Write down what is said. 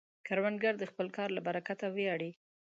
کروندګر د خپل کار له برکته ویاړي